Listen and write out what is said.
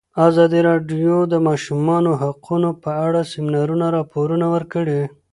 ازادي راډیو د د ماشومانو حقونه په اړه د سیمینارونو راپورونه ورکړي.